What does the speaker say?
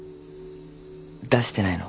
出してないの？